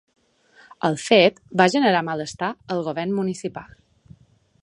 El fet va generar malestar al govern municipal.